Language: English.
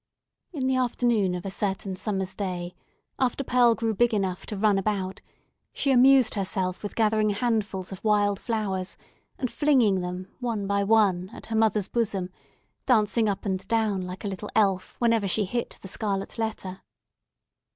In the afternoon of a certain summer's day, after Pearl grew big enough to run about, she amused herself with gathering handfuls of wild flowers, and flinging them, one by one, at her mother's bosom; dancing up and down like a little elf whenever she hit the scarlet letter.